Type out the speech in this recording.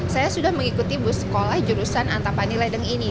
saya sudah mengikuti bus sekolah jurusan antapani ledeng ini